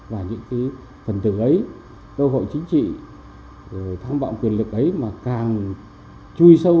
và những cái phần tự ấy cơ hội chính trị rồi tham vọng quyền lực ấy mà càng chui xuống